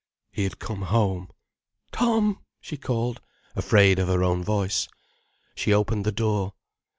He had come home. "Tom!" she called, afraid of her own voice. She opened the door.